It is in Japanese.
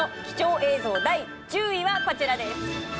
第１０位はこちらです。